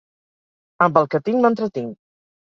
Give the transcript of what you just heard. Amb el que tinc, m'entretinc.